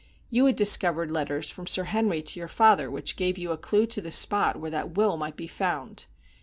You had discovered letters from Sir Henry to your father which gave you a clue to the spot where that will might be found.